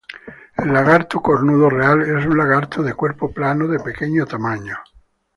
El lagarto cornudo real es un lagarto de cuerpo plano, de pequeño tamaño.